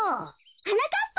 はなかっぱ。